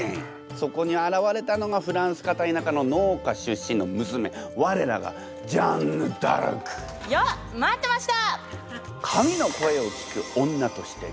そこに現れたのがフランス片田舎の農家出身の娘我らがジャンヌ・ダルク！よっ待ってました！